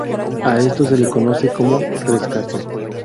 A esto se le conoce como "rescate".